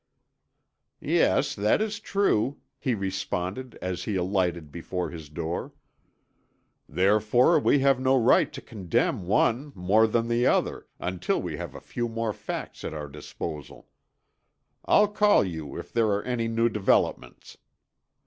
"Yes, that is true," he responded as he alighted before his door. "Therefore we have no right to condemn one more than the other until we have a few more facts at our disposal. I'll call you if there are any new developments.